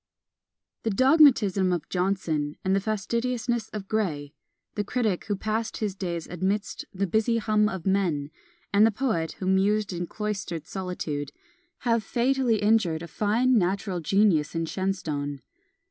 The dogmatism of Johnson, and the fastidiousness of Gray, the critic who passed his days amidst "the busy hum of men," and the poet who mused in cloistered solitude, have fatally injured a fine natural genius in Shenstone.